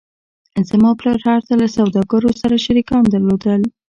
زما پلار هلته له سوداګرو سره شریکان درلودل